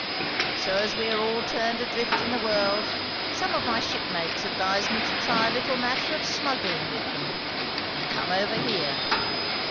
So as we are all turned a drift in the world, some of my ship mates advised me to try a little matter of smuggling with them, and come over here.